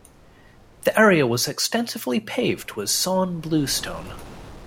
The area was extensively paved with sawn bluestone.